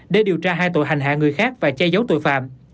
để điều tra hai tội hành hạ người khác và che giấu tội phạm